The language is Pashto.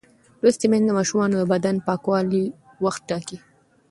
لوستې میندې د ماشومانو د بدن پاکولو وخت ټاکي.